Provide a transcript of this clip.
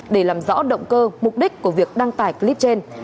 để làm rõ động cơ mục đích của việc đăng tải clip trên